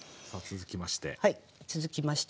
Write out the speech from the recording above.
続きまして。